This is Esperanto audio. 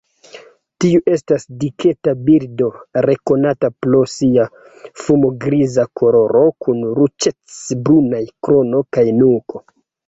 Tiu estas diketa birdo rekonata pro sia fumo-griza koloro kun ruĝec-brunaj krono kaj nuko.